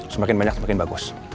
semakin banyak semakin bagus